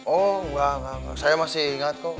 oh enggak enggak saya masih ingat kok